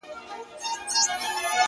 بوډا ویل په دې قلا کي به سازونه کېدل!.